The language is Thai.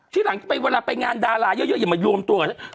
ที่หลังเวลาไปงานดาราเยอะอย่ามารวมตัวกัน